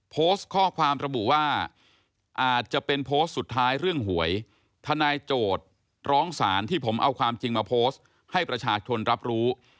โพสต์ข้อความระบุว่าอาจจะเป็นโพสต์สุดท้ายเรื่องหวยทนายโจทย์ร้องสารที่ผมเอาความจริงมาโพสต์ให้ประชาชนรับรู้